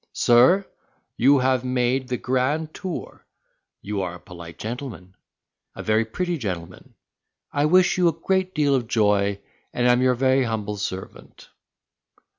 Sir, you have made the grand tour—you are a polite gentleman—a very pretty gentleman—I wish you a great deal of joy, and am your very humble servant."